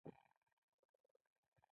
• د باران څاڅکو ته کښېنه.